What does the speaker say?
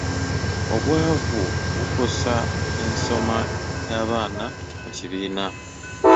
Obwavu bukosa ensoma y'abaana mu kibiina.